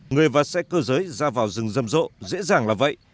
người và xe cơ giới ra vào rừng rầm rộ dễ dàng là vậy